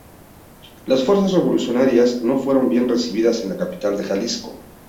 Las fuerzas revolucionarias no fueron bien recibidas en la capital de Jalisco.